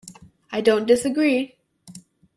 I don't disagree.